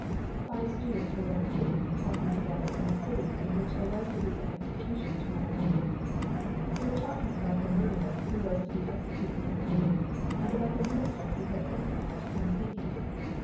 Five students were once sitting and talking together in a city in which there was to be an execution to morrow morning. They were talking about the murderer who was to be executed in the morning, and about the minister he had sent for to come to see him.